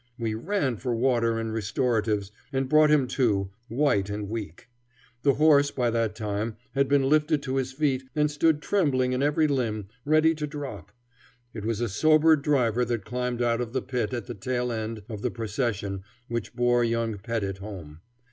We ran for water and restoratives, and brought him to, white and weak. The horse by that time had been lifted to his feet and stood trembling in every limb, ready to drop. It was a sobered driver that climbed out of the pit at the tail end of the procession which bore young Pettit home.